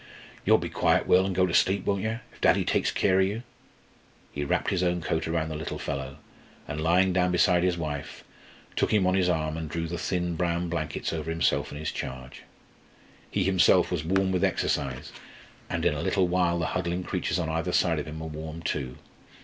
"You'll be quiet, Will, and go sleep, won't yer, if daddy takes keer on you?" He wrapped his own coat round the little fellow, and lying down beside his wife, took him on his arm and drew the thin brown blankets over himself and his charge. He himself was warm with exercise, and in a little while the huddling creatures on either side of him were warm too.